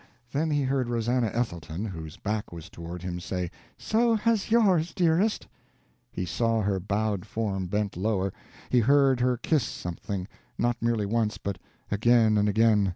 Then he heard Rosannah Ethelton, whose back was toward him, say: "So has yours, dearest!" He saw her bowed form bend lower; he heard her kiss something not merely once, but again and again!